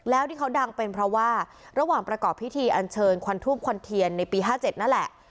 แล้วที่เขาดังเป็นเพราะว่าระหว่างประกอบพิธีอันเชิญควันทูปควันเทียนในปี๕๗นั่นแหละ